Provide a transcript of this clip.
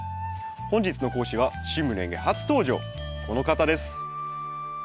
本日の講師は「趣味の園芸」初登場この方です。